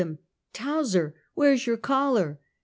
him, " Towser, wliere's your collar?"